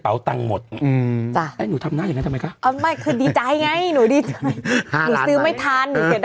๕ล้านมั้ยหนูซื้อไม่ทันหนูเสียดายหนูซื้อให้ทัน